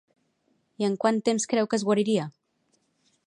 I en quant temps creu que es guariria?